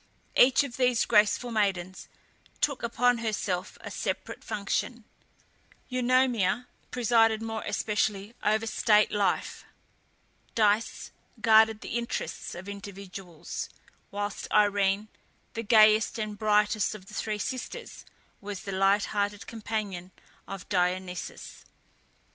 Each of these graceful maidens took upon herself a separate function: Eunomia presided more especially over state life, Dice guarded the interests of individuals, whilst Irene, the gayest and brightest of the three sisters, was the light hearted companion of Dionysus.